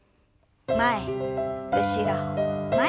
前後ろ前。